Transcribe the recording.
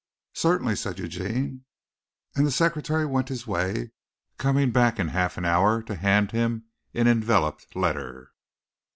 "Certainly," said Eugene, and the secretary went his way, coming back in half an hour to hand him an enveloped letter.